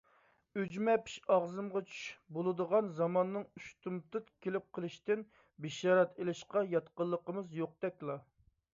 «ئۈجمە پىش، ئاغزىمغا چۈش» بولىدىغان زاماننىڭ ئۇشتۇمتۇت كېلىپ قېلىشىدىن بېشارەت ئېلىشقا ياتقىنلىقىمىز يوقتەكلا.